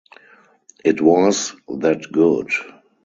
It was that good.